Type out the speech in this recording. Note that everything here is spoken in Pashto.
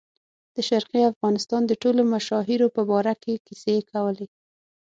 د شرقي افغانستان د ټولو مشاهیرو په باره کې کیسې کولې.